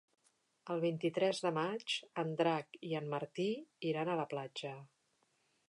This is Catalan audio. El vint-i-tres de maig en Drac i en Martí iran a la platja.